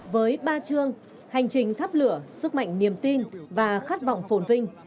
với ba chương hành trình thắp lửa sức mạnh niềm tin và khát vọng phồn vinh